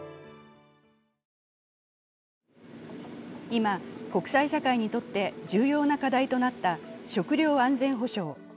今、国際社会にとって重要な課題となった食料安全保障。